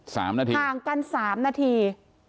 สามนาทีห่างกันสามนาที